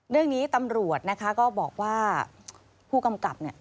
เรื่องนี้ตำรวจนะคะก็บอกว่าผู้กำกับเนี่ย